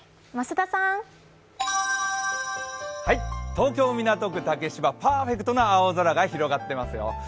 東京・港区竹芝パーフェクトな青空が広がっていますよ。